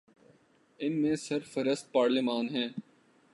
ان میں سر فہرست پارلیمان ہے۔